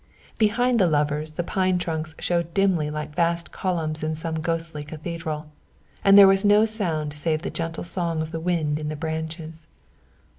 Behind the lovers the pine trunks showed dimly like vast columns in some ghostly cathedral, and there was no sound save the gentle song of the wind in the branches.